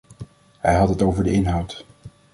Hij had het over de inhoud.